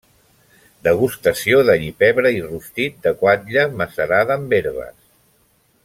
Degustació d’allipebre i rostit de guatla macerada amb herbes.